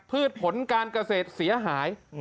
พืชผลการเกษตรเสียหาย